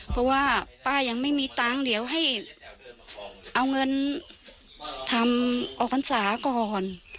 เพราะว่าป้ายังไม่มีตังค์เดี๋ยวให้เอาเงินทำออกพรรษาก่อน